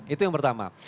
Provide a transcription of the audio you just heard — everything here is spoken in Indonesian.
itu yang pertama